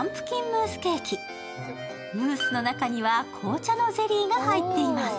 ムースの中には、紅茶のゼリーが入っています。